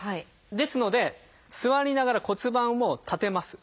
ですので座りながら骨盤を立てます。